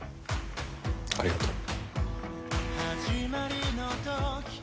ありがとう。